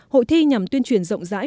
hội thi nhằm tuyên truyền rộng rãi